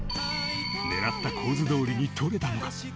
狙った構図どおりに撮れたのか？